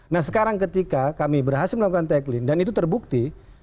nah sekarang ketika kami berhasil melakukan tagline dan itu terbukti